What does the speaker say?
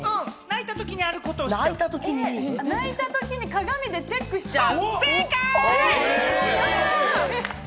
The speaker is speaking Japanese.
泣いたときに鏡でチェックしちゃう。